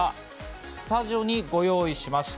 スタジオにご用意しました。